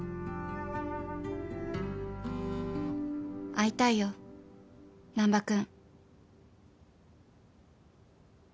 「会いたいよ難破君」